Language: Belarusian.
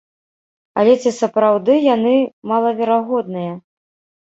Але ці сапраўды яны малаверагодныя?